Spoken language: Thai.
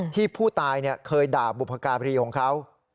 ที่ผู้ตายเคยด่าบุปกรณ์พิธีของเขา